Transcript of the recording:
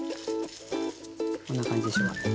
こんな感じでしょうか。